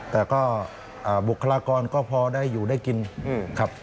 แต่ก็บุคลากรก็พอได้อยู่ได้กินครับ